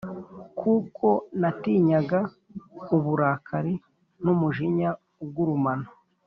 Kuko natinyaga uburakari n umujinya ugurumana